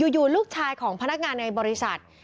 อยู่ลูกชายของพนักงานในบริษัท